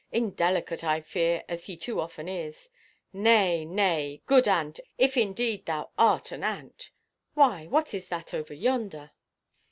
Indelicate, I fear, as he too often is. Nay, nay, good ant, if indeed thou art an ant—— Why, what is that over yonder?"